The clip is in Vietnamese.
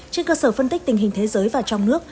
trên cơ sở phân tích tình hình thế giới và trong nước